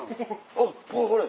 あっほれ。